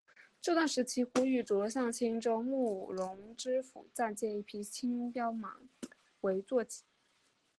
这段时期呼延灼向青州慕容知府暂借一匹青鬃马为坐骑。